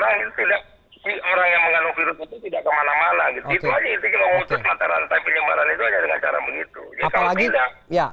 itu saja itu kita mengutus mata rantai penyebaran itu saja dengan cara begitu